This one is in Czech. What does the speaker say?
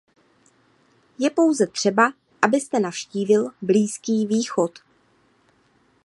Je pouze třeba, abyste navštívil Blízký východ!